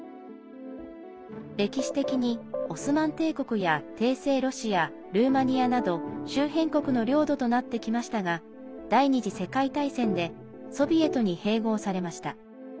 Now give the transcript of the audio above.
歴史的にオスマン帝国や帝政ロシア、ルーマニアなど周辺国の領土となってきましたが第２次世界大戦でソビエトに併合されました。